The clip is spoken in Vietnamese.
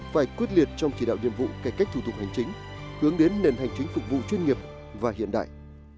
phải quyết liệt trong chỉ đạo nhiệm vụ cải cách thủ tục hành chính hướng đến nền hành chính phục vụ chuyên nghiệp và hiện đại